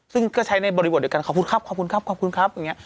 ซึ่งก็ใช้ในบริบทเดียวกันขอบคุณครับขอบคุณครับขอบคุณครับอย่างนี้